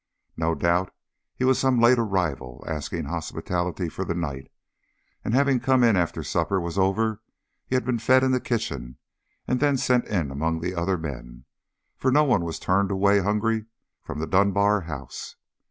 No doubt he was some late arrival asking hospitality for the night; and having come after supper was over, he had been fed in the kitchen and then sent in among the other men; for no one was turned away hungry from the Dunbar house.